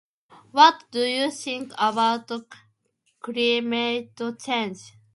What do you think about the [unintelligible]